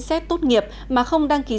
xét tốt nghiệp mà không đăng ký